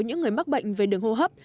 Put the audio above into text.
những người mắc bệnh về đường hô hấp